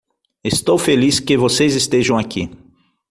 Estou feliz que vocês estejam aqui.